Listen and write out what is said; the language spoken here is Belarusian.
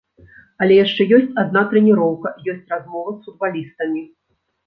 Але яшчэ ёсць адна трэніроўка, ёсць размова з футбалістамі.